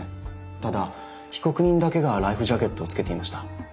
ただ被告人だけがライフジャケットを着けていました。